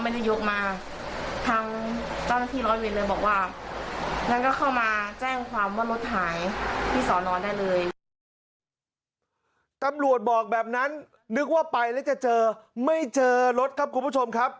ตำรวจบอกแบบนั้นนึกว่าไปแล้วจะเจอไม่เจอรถครับคุณผู้ชมครับ